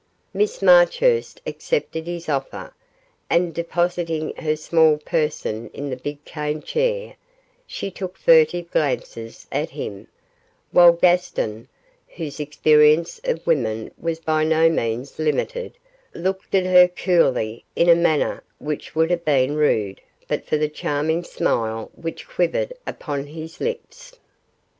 Miss Marchurst accepted his offer, and depositing her small person in the big cane chair, she took furtive glances at him, while Gaston, whose experience of women was by no means limited, looked at her coolly, in a manner which would have been rude but for the charming smile which quivered upon his lips.